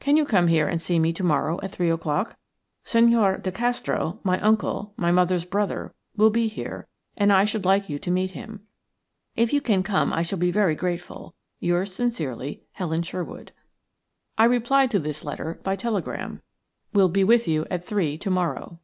Can you come here and see me to morrow at three o'clock? Senhor de Castro, my uncle, my mother's brother, will be here, and I should like you to meet him. If you can come I shall be very grateful. – Yours sincerely, "HELEN SHERWOOD." I replied to this letter by telegram:– "Will be with you at three to morrow."